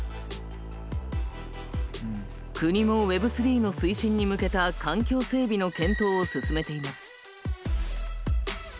国もＷｅｂ３の推進に向けた環境整備の検討を進めています。